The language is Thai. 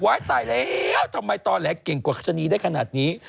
ไว้ตายแล้วทำไมตอนแหละเก่งกว่าชะนีได้ขนาดนี้